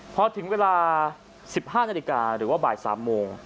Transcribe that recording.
พอถึงเวลา๑๕นาฬิกาหรือว่าบ่าย๓โมง